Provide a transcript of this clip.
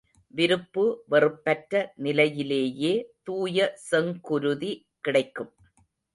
விருப்பு வெறுப்பற்ற நிலையிலேயே தூய செங்குருதி கிடைக்கும்.